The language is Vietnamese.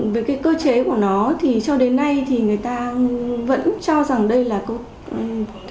về cơ chế của nó cho đến nay người ta vẫn cho rằng đây là cơ chế